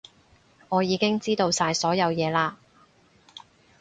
我已經知道晒所有嘢嘞